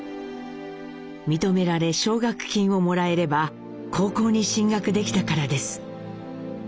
認められ奨学金をもらえれば高校に進学できたからです。